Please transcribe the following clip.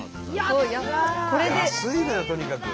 安いのよとにかく。